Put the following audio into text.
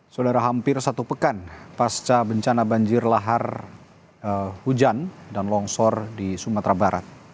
saudara hampir satu pekan pasca bencana banjir lahar hujan dan longsor di sumatera barat